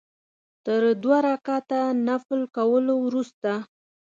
تر دوه رکعته نفل کولو وروسته.